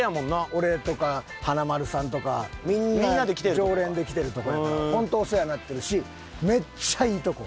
俺とか華丸さんとかみんな常連で来てるとこやからホントお世話になってるしめっちゃいいとこ。